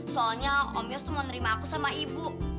soalnya om yos tuh mau nerima aku sama ibu